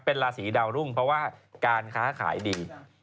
เป็นราศีดาวรุ่งเพราะว่าการค้าขายดี